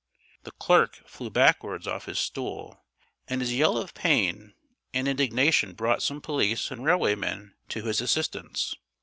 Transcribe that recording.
The clerk flew backwards off his stool, and his yell of pain and indignation brought some police and railway men to his assistance.